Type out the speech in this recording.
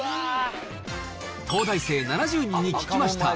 東大生７０人に聞きました。